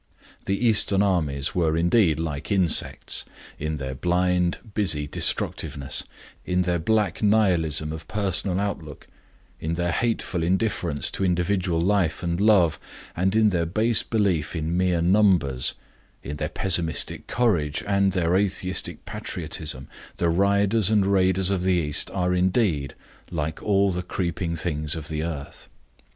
The Eastern armies were indeed like insects; in their blind, busy destructiveness, in their black nihilism of personal outlook, in their hateful indifference to individual life and love, in their base belief in mere numbers, in their pessimistic courage and their atheistic patriotism, the riders and raiders of the East are indeed like all the creeping things of the earth.